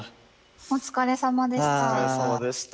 お疲れさまでした。